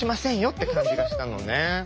って感じがしたのね。